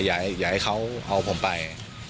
อยากให้เขาเอาผมไป